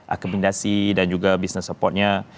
akomodasi dan juga bisnis supportnya